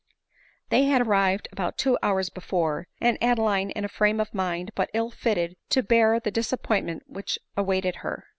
They had arrived about two hours before ; and Ado line in a frame of mind but ill fitted to bear the disap pointment which awaited her.